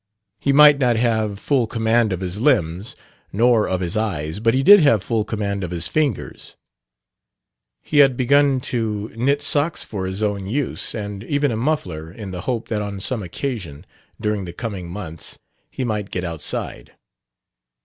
He might not have full command of his limbs nor of his eyes, but he did have full command of his fingers. He had begun to knit socks for his own use; and even a muffler, in the hope that on some occasion, during the coming months, he might get outside.